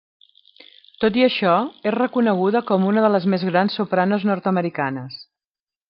Tot i això, és reconeguda com una de les més grans sopranos nord-americanes.